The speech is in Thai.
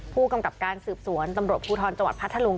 ผู้กำกับการสืบสวนตำรวจภูทรจังหวัดพัทธลุง